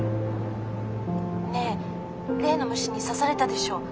ねえ例の虫に刺されたでしょ？